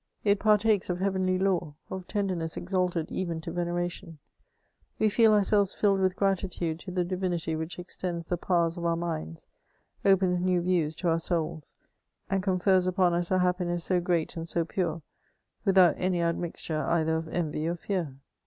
It partakes of heavenly love, of tenderness exalted even to veneration ; we feel ourselves filled with gratitude to the divinity which extends the powers of our minds, opens new views to our souls, and confers upon us a happiness so great and so pure, without any admix ture either of envy or fear.